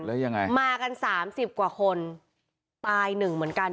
แล้วยังไงมากันสามสิบกว่าคนตายหนึ่งเหมือนกัน